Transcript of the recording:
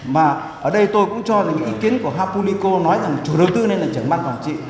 mà ở đây tôi cũng cho những ý kiến của hapunico nói rằng chủ đầu tư nên là trưởng ban quản trị